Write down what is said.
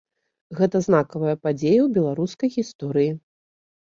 Гэта знакавая падзея ў беларускай гісторыі.